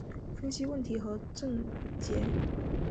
分析问题和症结